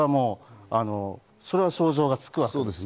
それは想像がつくわけです。